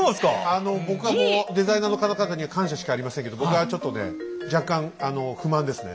あの僕はもうデザイナーの方々には感謝しかありませんけど僕はちょっとね若干あの不満ですね。